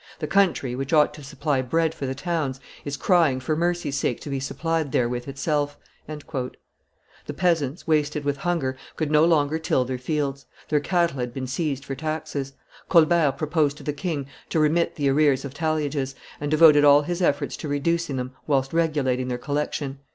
The country, which ought to supply bread for the towns, is crying for mercy's sake to be supplied therewith itself." The peasants, wasted with hunger, could no longer till their fields; their cattle had been seized for taxes. Colbert proposed to the king to remit the arrears of talliages, and devoted all his efforts to reducing them, whilst regulating their collection.